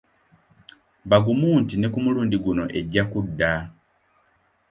Bagumu nti ne ku mulundi guno ejja kudda.